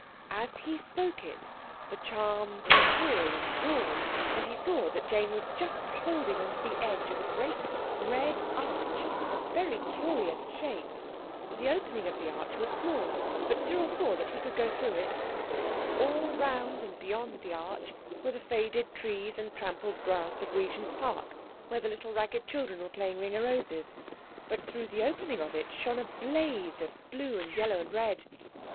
As he spoke it the charm grew tall and broad, and he saw that Jane was just holding on to the edge of a great red arch of very curious shape. The opening of the arch was small, but Cyril saw that he could go through it. All round and beyond the arch were the faded trees and trampled grass of Regent's Park, where the little ragged children were playing Ring o' Roses. But through the opening of it shone a blaze of blue and yellow and red.